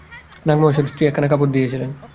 নাগ-মহাশয়ের স্ত্রী একখানা কাপড় দিয়েছিলেন।